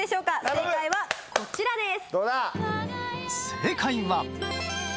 正解はこちらです。